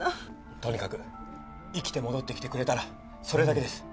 とにかく、生きて戻ってきてくれたら、それだけです。